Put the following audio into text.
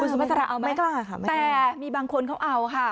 สุภาษาเอาไหมไม่กล้าค่ะแต่มีบางคนเขาเอาค่ะ